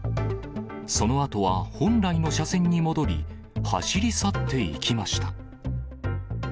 そのあとは本来の車線に戻り、走り去っていきました。